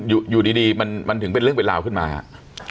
อยู่อยู่ดีดีมันมันถึงเป็นเรื่องเวลาขึ้นมาฮะ